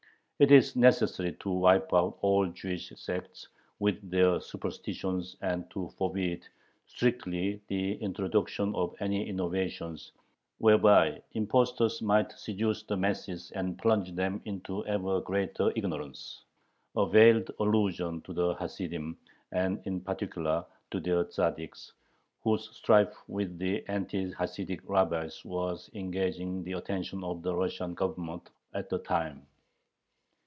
It is necessary "to wipe out all Jewish sects with their superstitions and to forbid strictly the introduction of any innovations whereby impostors might seduce the masses and plunge them into ever greater ignorance," a veiled allusion to the Hasidim and in particular to their Tzaddiks, whose strife with the anti Hasidic rabbis was engaging the attention of the Russian Government at the time.